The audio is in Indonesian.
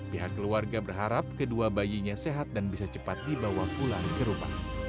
pihak keluarga berharap kedua bayinya sehat dan bisa cepat dibawa pulang ke rumah